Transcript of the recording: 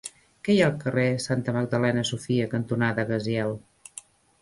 Què hi ha al carrer Santa Magdalena Sofia cantonada Gaziel?